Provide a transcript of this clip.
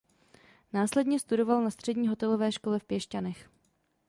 Následně studoval na Střední hotelové škole v Piešťanech.